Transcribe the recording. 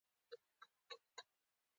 وښي اړخ ته ولاړ شه !